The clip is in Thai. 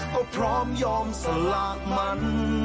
ก็พร้อมยอมสลากมัน